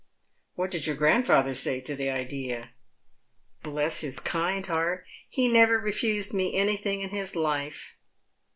" What did your grandfather say to the idea? "" Bless his kind heart, he never refused me anything in his life.